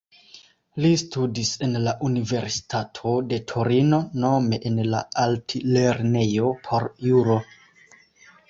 Li studis en la Universitato de Torino, nome en la Altlernejo por Juro.